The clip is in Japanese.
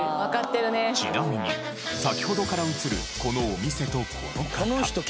ちなみに先ほどから映るこのお店とこの方。